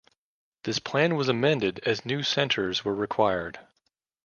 This Plan was amended as new centres were required.